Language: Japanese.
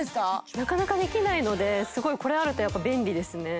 なかなかできないのですごいこれあるとやっぱ便利ですね